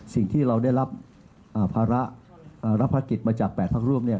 สิ่งที่เราได้รับภาระรับภากิจมาจาก๘พักร่วมเนี่ย